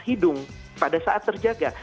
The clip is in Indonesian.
hidung pada saat terjaga